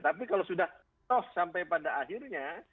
tapi kalau sudah toh sampai pada akhirnya